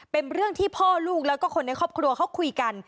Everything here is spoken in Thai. เป็นเรื่องที่พ่อลูกแล้วก็คนในครอบครัวเขาคุยกัน